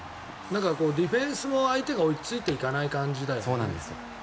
ディフェンスも相手が追いついていかない感じだよね。